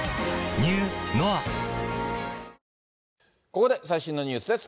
ここで最新のニュースです。